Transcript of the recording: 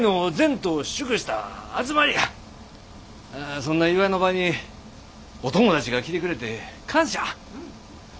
そんな祝いの場にお友達が来てくれて感謝。